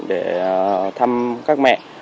để thăm các mẹ